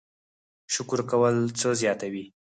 شکر کول څه زیاتوي؟